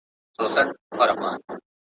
شاګرد خپله مسوده استاد ته سپارلې ده.